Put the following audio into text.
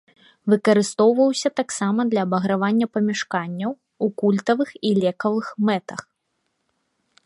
Выкарыстоўваўся таксама для абагравання памяшканняў, у культавых і лекавых мэтах.